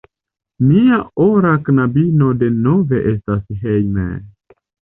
Nia ora knabino denove estas hejme!